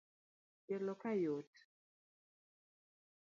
Tielo kayot